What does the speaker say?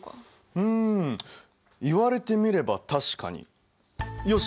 うん言われてみれば確かに。よし！